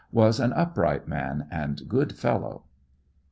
Was an upright man ami good fellow.